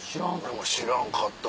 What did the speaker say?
俺も知らんかった。